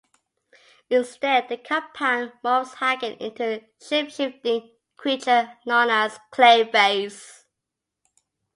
Instead, the compound morphs Hagen into a shapeshifting creature known as Clayface.